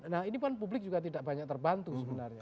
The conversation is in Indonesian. nah ini pun publik juga tidak banyak terbantu sebenarnya